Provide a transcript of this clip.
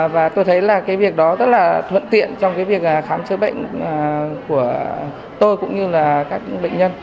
và tôi thấy là cái việc đó rất là thuận tiện trong cái việc khám chữa bệnh của tôi cũng như là các bệnh nhân